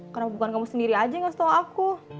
kenapa bukan kamu sendiri aja yang ngasih tau aku